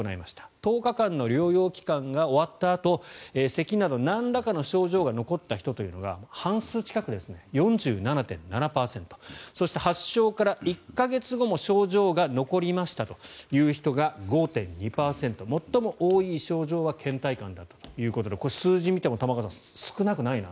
１０日間の療養期間が終わったあとせきなどなんらかの症状が残った人は４７．７％発症から１か月後も症状が残りましたという人が５．２％最も多い症状はけん怠感だということでこれは数字を見ても少なくないなと。